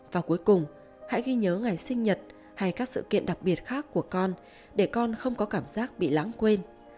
và cuối cùng hãy ghi nhớ ngày sinh nhật hay các sự kiện đặc biệt khác của con để con không có cảm giác bị lãng quên